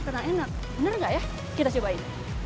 bener nggak ya kita cobain